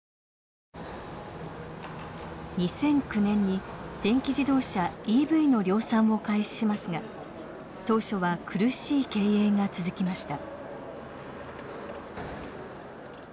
２００９年に電気自動車ＥＶの量産を開始しますが当初は苦しい経営が続きました。